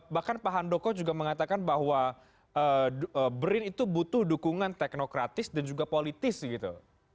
bahkan pak handoko juga mengatakan bahwa brin itu butuh dukungan teknokratis dan juga politis gitu